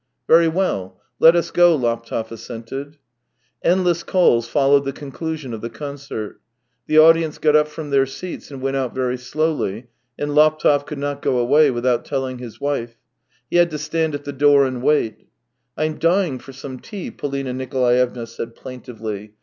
" Very well; let us go," Laptev assented. Endless calls followed the conclusion of the concert. The audience got up from their seats and went out very slowly, and Laptev could not go away without telling his wife. He had to stand at the door and wait. "I'm dying for some tea," PoHna Nikolaevna said plaintively.